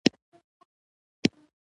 • د سړکونو څراغونه د برېښنا سره چلیږي.